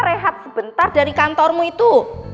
rehat sebentar dari kantormu itu